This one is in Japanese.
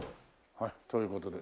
はいという事で。